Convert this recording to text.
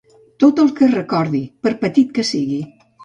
Tot el que recordi, per petit que sigui.